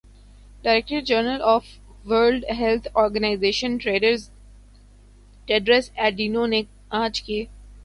director general of world health organization Tedros Adhanom نے آج کہ